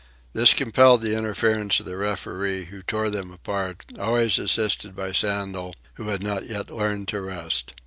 This compelled the interference of the referee, who tore them apart, always assisted by Sandel, who had not yet learned to rest.